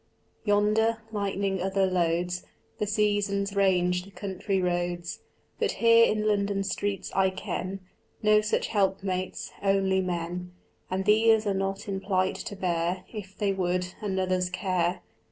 Yonder, lightening other loads, The seasons range the country roads, But here in London streets I ken No such helpmates, only men; And these are not in plight to bear, If they would, another's care.